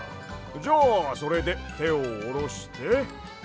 じゃあそれでてをおろして。